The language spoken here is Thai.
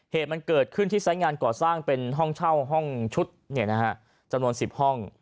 เหตุมันเกิดขึ้นที่ไซส์งานก่อสร้างเป็นห้องเช่าห้องชุดจำนวน๑๐ห้อง